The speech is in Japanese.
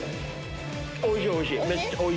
おいしいおいしい！